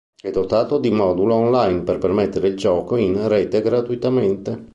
È dotato di modulo online, per permettere il gioco in rete gratuitamente.